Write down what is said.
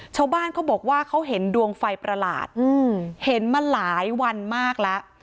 ชาวบ้านเขาบอกว่าเขาเห็นดวงไฟประหลาดเห็นมาหลายวันมากแล้ว